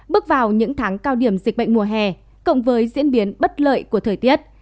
bước vào những tháng cao điểm dịch bệnh mùa hè cộng với diễn biến bất lợi của thời tiết